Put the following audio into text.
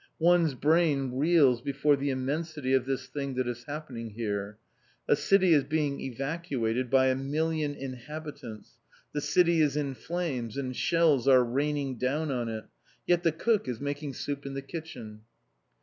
One's brain reels before the immensity of this thing that is happening here; a city is being evacuated by a million inhabitants; the city is in flames and shells are raining down on it; yet the cook is making soup in the kitchen....